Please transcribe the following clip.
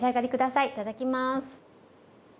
はいいただきます。